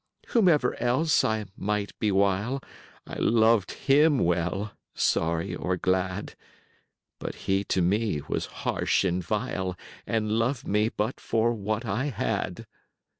20 Whomever else I might bewile, I loved him well, sorry or glad: But he to me was harsh and vile And loved me but for what I had.